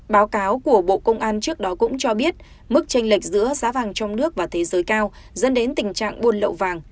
báo cáo của bộ công an trước đó cũng cho biết mức tranh lệch giữa giá vàng trong nước và thế giới cao dẫn đến tình trạng buôn lậu vàng